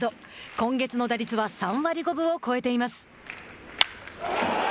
今月の打率は３割５分を超えています。